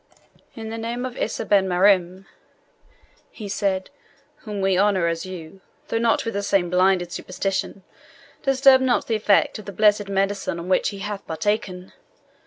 "In the name of Issa Ben Mariam," he said, "whom we honour as you, though not with the same blinded superstition, disturb not the effect of the blessed medicine of which he hath partaken.